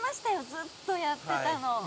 ずっとやってたの。